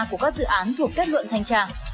của các dự án thuộc kết luận thanh tra